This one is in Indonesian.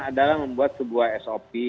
adalah membuat sebuah sop